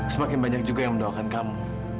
semakin banyak juga yang mendoakan kamu